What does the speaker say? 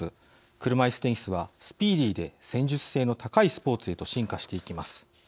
車いすテニスはスピーディーで戦術性の高いスポーツへと進化していきます。